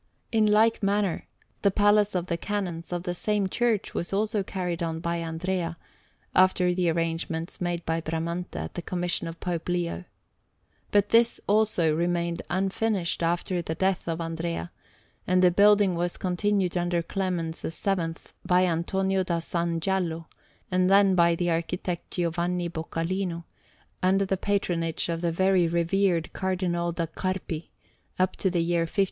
In like manner, the Palace of the Canons of the same church was also carried on by Andrea, after the arrangements made by Bramante at the commission of Pope Leo. But this, also, remained unfinished after the death of Andrea, and the building was continued under Clement VII by Antonio da San Gallo, and then by the architect Giovanni Boccalino, under the patronage of the very reverend Cardinal da Carpi, up to the year 1563.